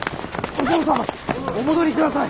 お戻りください。